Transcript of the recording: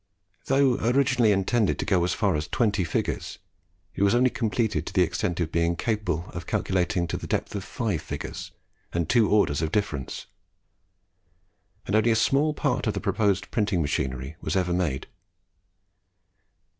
Though originally intended to go as far as twenty figures, it was only completed to the extent of being capable of calculating to the depth of five figures, and two orders of differences; and only a small part of the proposed printing machinery was ever made.